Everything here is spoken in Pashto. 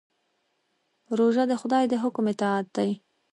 روژه د خدای د حکم اطاعت دی.